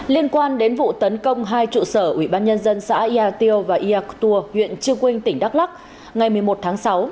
liên quan đến vụ tấn công hai trụ sở ủy ban nhân dân xã yà tiêu và yà cô tùa huyện chư quynh tỉnh đắk lắc ngày một mươi một tháng sáu